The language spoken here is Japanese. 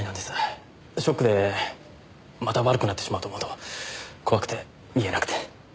ショックでまた悪くなってしまうと思うと怖くて言えなくて。